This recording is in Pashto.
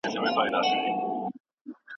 څلویښت شېبې روسته به